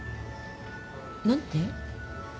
何て？